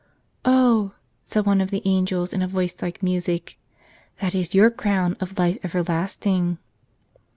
"Oh," said one of the angels in a voice like music, "that is your crown of life everlasting."